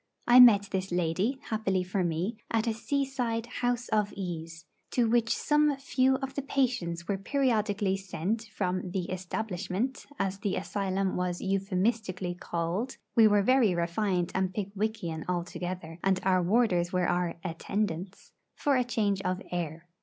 I met this lady, happily for me, at a seaside 'house of ease,' to which some few of the patients were periodically sent from the 'Establishment,' as the asylum was euphemistically called (we were very refined and Pickwickian altogether, and our warders were our 'attendants'), for change of air.